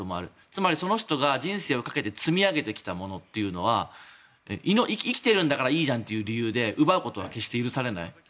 つまり、その人が人生をかけて積み上げてきたというものは生きてるんだからいいじゃんっていう理由で奪うことは決して許されない。